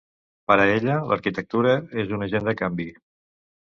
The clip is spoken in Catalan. Para ella, l'arquitectura és un agent de canvi.